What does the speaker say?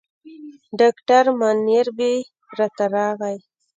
ډاکټر منیربې راته راغی.